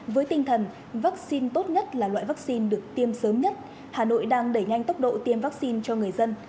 với tinh thần vaccine tốt nhất là loại vaccine được tiêm sớm nhất hà nội đang đẩy nhanh tốc độ tiêm vaccine cho người dân